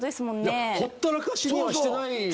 ほったらかしにはしてないし。